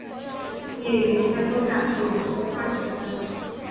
毕业于山东大学有机化学专业。